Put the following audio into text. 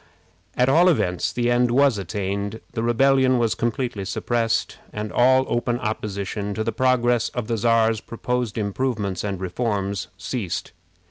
At all events, the end was attained. The rebellion was completely suppressed, and all open opposition to the progress of the Czar's proposed improvements and reforms ceased.